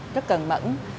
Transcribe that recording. rất cần mẫn